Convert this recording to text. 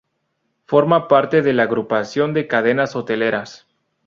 Forma parte de la Agrupación de Cadenas Hoteleras.